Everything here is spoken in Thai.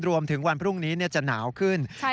รวมถึงวันพรุ่งนี้จะหนาวขึ้น